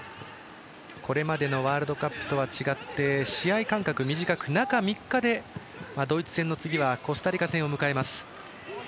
これまでのワールドカップと違って試合間隔、短く、中３日でドイツ戦の次はコスタリカ戦を迎えます。